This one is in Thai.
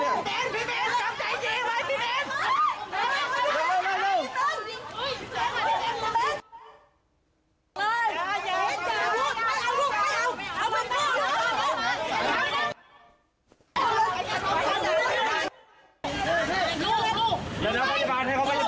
ผู้ชายก่ายข้อยกันแบบนี้